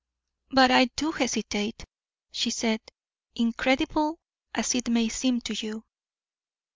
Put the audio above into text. "But I do hesitate," she said, "incredible as it may seem to you."